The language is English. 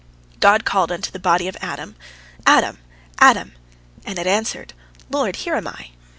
God called unto the body of Adam, "Adam! Adam!" and it answered, "Lord, here am I!"